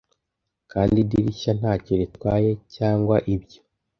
Kandi idirishya ntacyo ritwaye, cyangwa ibyo